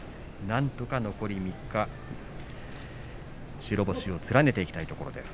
なんとか残り３日白星を連ねていきたいところです。